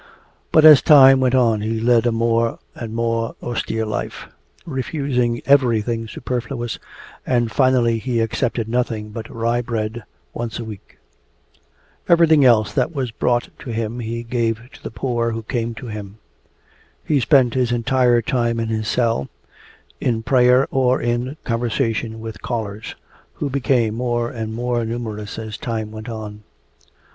But as time went on he led a more and more austere life, refusing everything superfluous, and finally he accepted nothing but rye bread once a week. Everything else that was brought to him he gave to the poor who came to him. He spent his entire time in his cell, in prayer or in conversation with callers, who became more and more numerous as time went on.